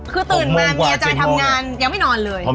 คือตื่นมาเมียจะทำงานยังไม่นอนเลย